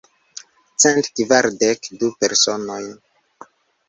Cent kvardek du personojn.